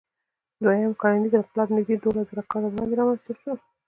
دوهیم کرنیز انقلاب نږدې دولسزره کاله وړاندې رامنځ ته شو.